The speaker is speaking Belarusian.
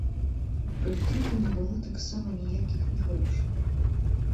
Пры трупе не было таксама ніякіх і грошай.